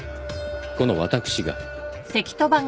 この私が。